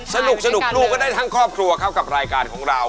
สนุกรูปได้ว่ะสนุกก็ได้ทั้งครอปครัวเข้ากับรายการของเรา